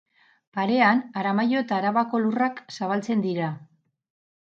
Parean Aramaio eta Arabako lurrak zabaltzen dira.